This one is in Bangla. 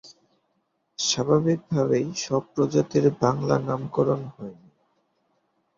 স্বাভাবিকভাবেই সব প্রজাতির বাংলা নামকরণ হয়নি।